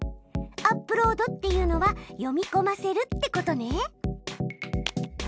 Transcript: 「アップロード」っていうのは「読みこませる」ってことね。